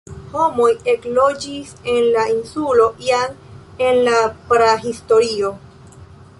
Homoj ekloĝis en la insulo jam en la prahistorio.